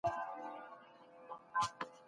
غړي د ملي ګټو د ساتلو په حال کي دي.